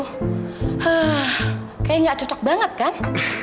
hah kayaknya nggak cocok banget kan